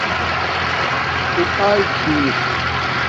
اُو اِرا چھس